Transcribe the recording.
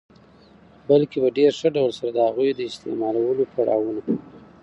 بلکي په ډېر ښه ډول سره د هغوی د استعمالولو پړا وونه